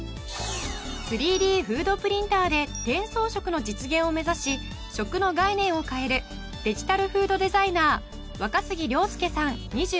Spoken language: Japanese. ３Ｄフードプリンターで転送食の実現を目指し食の概念を変えるデジタルフードデザイナー若杉亮介さん２８歳。